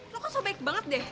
lo kan sobek banget deh